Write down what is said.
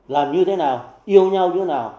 làm như thế nào yêu nhau như thế nào